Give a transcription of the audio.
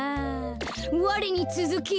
われにつづけ！